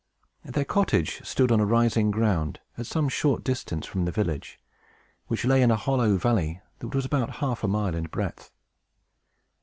Their cottage stood on a rising ground, at some short distance from a village, which lay in a hollow valley, that was about half a mile in breadth.